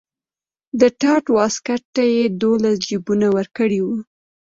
د ټاټ واسکټ ته یې دولس جیبونه ورکړي وو.